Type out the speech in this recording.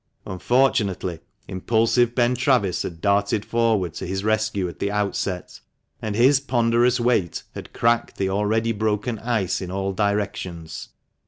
Unfortunately, impulsive Ben Travis had darted forward to his rescue at the outset, and his ponderous weight had cracked the already broken ice in all directions.